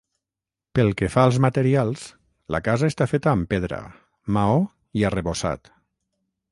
Pel que fa als materials, la casa està feta amb pedra, maó i arrebossat.